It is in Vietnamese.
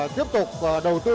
tiếp tục đầu tư